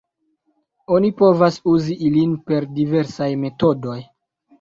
Oni povas uzi ilin per diversaj metodoj.